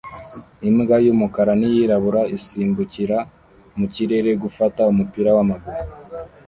Imbwa y'umukara n'iyirabura isimbukira mu kirere gufata umupira w'amaguru